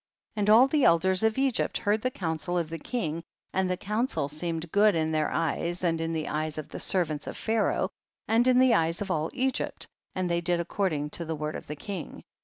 15. And all the elders of Egypt heard the counsel of the king, and the counsel seemed good in their eyes and in tlie eyes of the servants of Pharaoh, and in the eyes of all Egypt, and they did according to the word of the king.